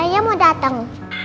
masanya mau dateng